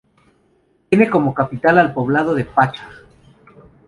Tiene como capital al poblado de "Paccha".